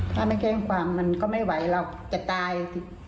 ถ้าไม่แจ้งความมันก็ไม่ไหวเราจะตาย